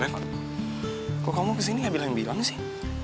be kok kamu kesini gak bilang bilang sih